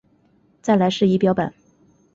再来是仪表板